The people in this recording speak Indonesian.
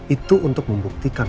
itu untuk membuktikan